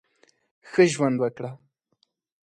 ښه ژوند وکړه !